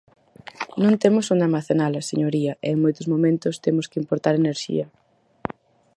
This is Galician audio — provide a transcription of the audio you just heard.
Non temos onde almacenala, señoría, e en moitos momentos temos que importar enerxía.